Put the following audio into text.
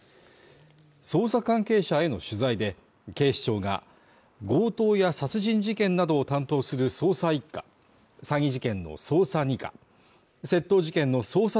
捜査関係者への取材で、警視庁が強盗や殺人事件などを担当する捜査１課詐欺事件の捜査２課窃盗事件の捜査